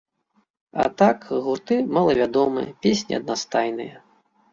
А так, гурты малавядомыя, песні аднастайныя.